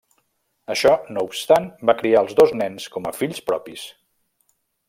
Això no obstant va criar els dos nens com a fills propis.